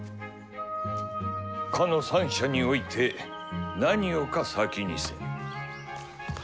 「斯の三者に於いて何をか先にせん」。